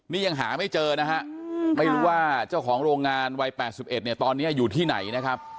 นี่ยังหาไม่เจอนะฮะไม่รู้ว่าเจ้าของโรงงานวัย๘๑เนี่ยตอนนี้อยู่ที่ไหนนะครับ